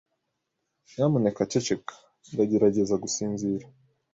Nyamuneka ceceka. Ndagerageza gusinzira.